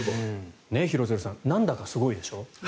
廣津留さんなんだかすごいでしょ。